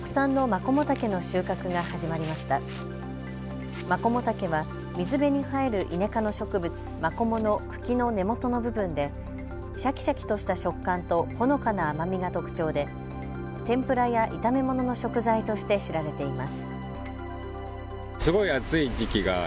マコモタケは水辺に生えるイネ科の植物、マコモの茎の根元の部分でしゃきしゃきとした食感とほのかな甘みが特徴で天ぷらや炒め物の食材として知られています。